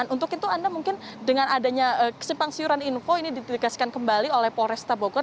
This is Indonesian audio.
untuk itu anda mungkin dengan adanya kesimpang siuran info ini ditegaskan kembali oleh polresta bogor